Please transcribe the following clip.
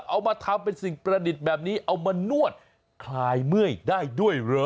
เอามาทำเป็นสิ่งประดิษฐ์แบบนี้เอามานวดคลายเมื่อยได้ด้วยเหรอ